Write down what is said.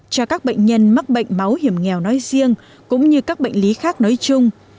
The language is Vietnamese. cho các bệnh nhân mắc bệnh máu hiểm nghèo nói riêng cũng như các bệnh lý khác nói chung